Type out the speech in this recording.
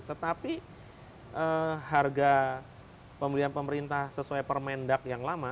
tetapi harga pembelian pemerintah sesuai permendak yang lama